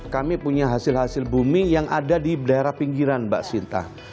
kami punya hasil hasil bumi yang ada di daerah pinggiran mbak sinta